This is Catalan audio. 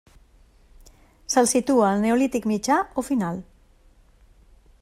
Se'l situa al Neolític mitjà o final.